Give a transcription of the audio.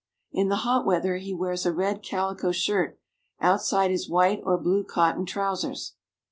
In the hot weather he wears a red calico shirt outside his white or blue cotton trousers.